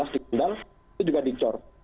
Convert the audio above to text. dikendal itu juga dicor